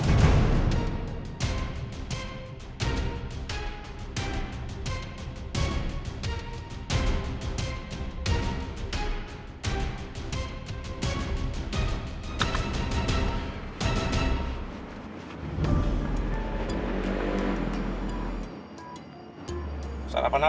lu bisa kehabisan semua